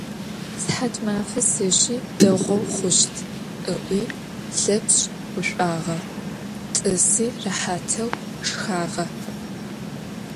Sıhatmafe sêji, değou xhuşt, - ı'ui Lhepşs guş'uağe, t'ısi rehateu şşxağe.